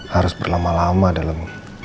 harus berlama lama dalam